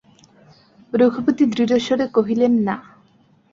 রঘুপতি দৃঢ়স্বরে কহিলেন, না।